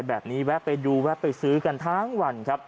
แบบนี้ไปซื้อกันทั้งวัน